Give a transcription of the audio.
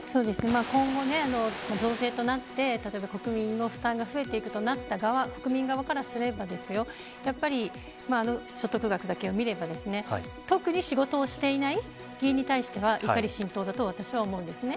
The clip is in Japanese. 今後、増税となって例えば国民の負担が増えていくとなった国民側からすればやっぱりあの所得額だけを見れば特に仕事をしていない議員に対しては怒り心頭だと私は思うんですね。